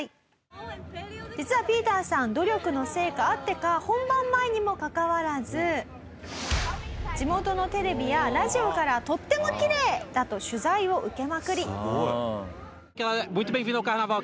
実はＰＩＥＴＥＲさん努力の成果あってか本番前にもかかわらず地元のテレビやラジオから「とってもきれいだ！」と取材を受けまくり。